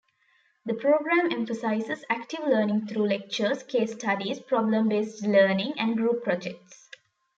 The program emphasizes active learning through lectures, case studies, problem-based learning, and group projects.